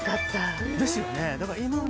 ですよね。